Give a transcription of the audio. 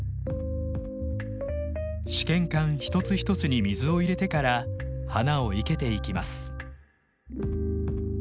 試験管一つ一つに水を入れてから花を生けていきます。